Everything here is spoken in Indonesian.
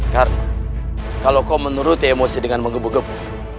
karena kalau kau menuruti emosi dengan menggebu gebu